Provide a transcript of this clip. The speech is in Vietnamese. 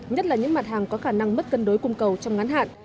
nhất là những mặt hàng có khả năng mất cân đối cung cầu trong ngắn hạn